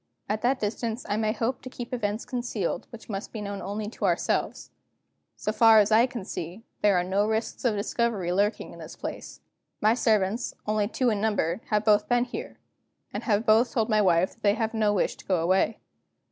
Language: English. At that distance I may hope to keep events concealed which must be known only to ourselves. So far as I can see, there are no risks of discovery lurking in this place. My servants (only two in number) have both been born here, and have both told my wife that they have no wish to go away.